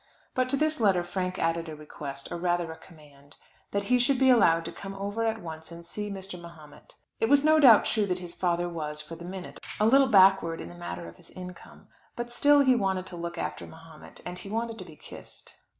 But to this letter Frank added a request or rather a command that he should be allowed to come over at once and see Mr. Mahomet. It was no doubt true that his father was, for the minute, a little backward in the matter of his income; but still he wanted to look after Mahomet, and he wanted to be kissed.